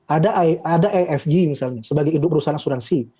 ada efg misalnya sebagai perusahaan asuransi